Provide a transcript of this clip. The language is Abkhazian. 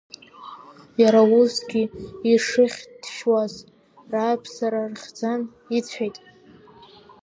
Иара усгьы ишыхьҭшьуаз, рааԥсара рыхьӡан, ицәеит.